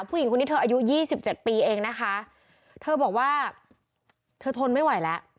ผู้หญิงคนนี้เธออายุยี่สิบเจ็ดปีเองนะคะเธอบอกว่าเธอทนไม่ไหวแล้ว